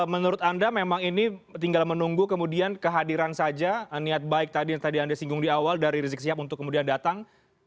menurut anda memang ini tinggal menunggu kemudian kehadiran saja niat baik tadi yang tadi anda singgung di awal dari rizik siap untuk kemudian datang